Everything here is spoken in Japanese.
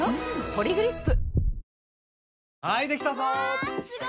「ポリグリップ」